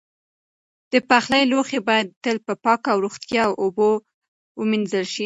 د پخلي لوښي باید تل په پاکو او روغتیایي اوبو ومینځل شي.